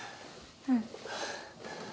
うん。